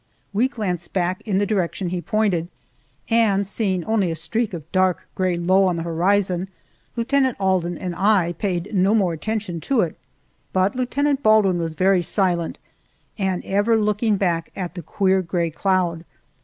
We glanced back in the direction he pointed, and seeing only a streak of dark gray low on the horizon, Lieutenant Alden and I paid no more attention to it. But Lieutenant Baldwin was very silent, and ever looking back at the queer gray cloud.